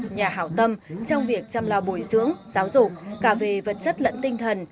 nhà hào tâm trong việc chăm la bồi dưỡng giáo dục cả về vật chất lẫn tinh thần